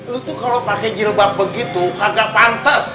lo tuh kalo pakai jilbab begitu kagak pantes